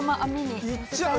いっちゃう？